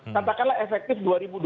katakanlah efektif dua ribu dua puluh